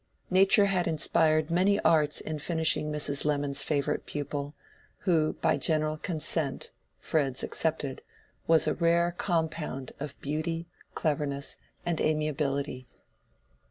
Nature had inspired many arts in finishing Mrs. Lemon's favorite pupil, who by general consent (Fred's excepted) was a rare compound of beauty, cleverness, and amiability.